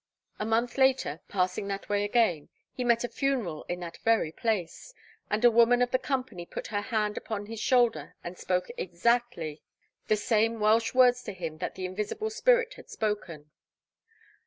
A month after, passing that way again, he met a funeral in that very place, and a woman of the company put her hand upon his shoulder and spoke exactly the same Welsh words to him that the invisible spirit had spoken.